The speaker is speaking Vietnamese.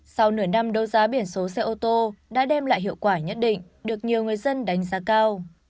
sau nửa năm đấu giá biển số xe ô tô đã đem lại hiệu quả nhất định được nhiều người dân đánh giá cao